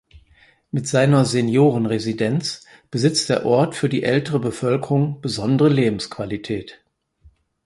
Mit seiner Seniorenresidenz besitzt der Ort für die ältere Bevölkerung besondere Lebensqualität.